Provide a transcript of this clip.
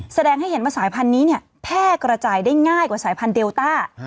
แสดงให้เห็นว่าสายพันธุ์นี้แพร่กระจายได้ง่ายกว่าสายพันธุเดลต้า